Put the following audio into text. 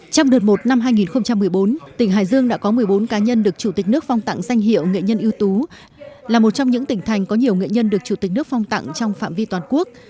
trong đợt một năm hai nghìn một mươi bốn tỉnh hải dương đã có một mươi bốn cá nhân được chủ tịch nước phong tặng danh hiệu nghệ nhân ưu tú là một trong những tỉnh thành có nhiều nghệ nhân được chủ tịch nước phong tặng trong phạm vi toàn quốc